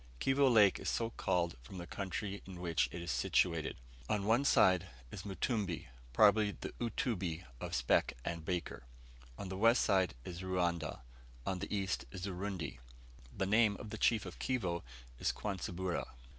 Kivo Lake is so called from the country in which it is situated. On one side is Mutumbi (probably the Utumbi of Speke and Baker), on the west is Ruanda; on the east is Urundi. The name of the chief of Kivo is Kwansibura.